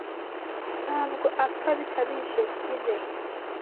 ntabwo apfa bikabije irae